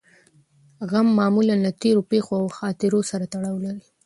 غم معمولاً له تېرو پېښو او خاطرو سره تړاو لري.